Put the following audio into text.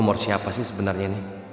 nomor siapa sih sebenarnya nih